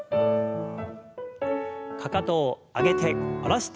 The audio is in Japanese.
かかとを上げて下ろして上げて。